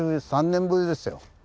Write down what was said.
３年ぶりですよ。